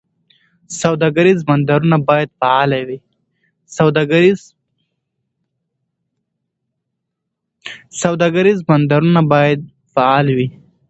سوداګریز بندرونه باید فعال وي.